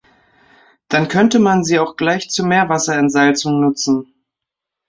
Dann könnte man sie auch gleich zur Meerwasserentsalzung nutzen.